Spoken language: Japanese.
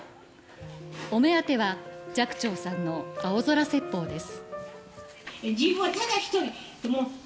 お目当ては寂聴さんのあおぞら説法です。